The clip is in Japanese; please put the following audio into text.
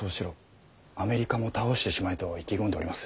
アメリカも倒してしまえ」と意気込んでおります。